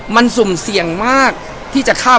มันสุ่มเสี่ยงมากที่จะข้าม